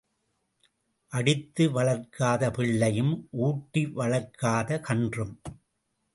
அடித்து வளர்க்காத பிள்ளையும் ஊட்டி வளர்க்காத கன்றும்.